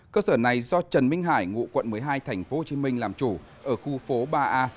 cơ sở này do trần minh hải ngụ quận một mươi hai tp hcm làm chủ ở khu phố ba a